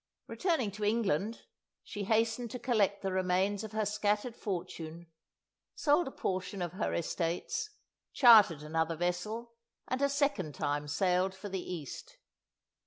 Returning to England, she hastened to collect the remains of her scattered fortune, sold a portion of her estates, chartered another vessel, and a second time sailed for the East.